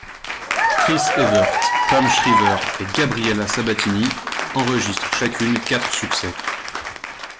Chris Evert, Pam Shriver et Gabriela Sabatini enregistrent chacune quatre succès.